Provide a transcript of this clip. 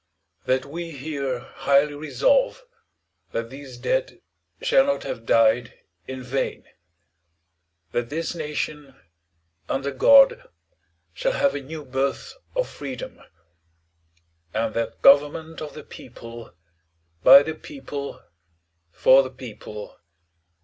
.. that we here highly resolve that these dead shall not have died in vain. .. that this nation, under God, shall have a new birth of freedom. .. and that government of the people. . .by the people. . .for the people.